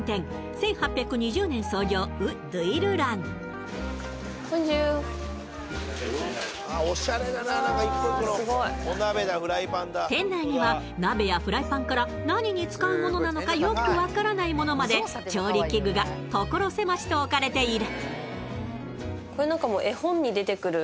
１８２０年創業ウ・ドゥイルラン店内には鍋やフライパンから何に使うものなのかよくわからないものまで調理器具が所狭しと置かれている